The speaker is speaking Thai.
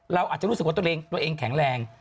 เราอาจจะรู้สึกว่าตัวเองตัวเองแข็งแรง